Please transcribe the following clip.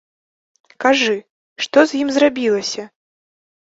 Кажы, што з ім зрабілася?